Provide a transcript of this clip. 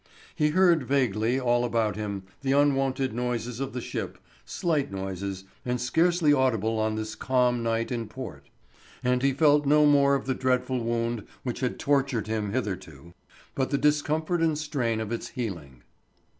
He heard vaguely, all about him, the unwonted noises of the ship, slight noises, and scarcely audible on this calm night in port; and he felt no more of the dreadful wound which had tortured him hitherto, but the discomfort and strain of its healing.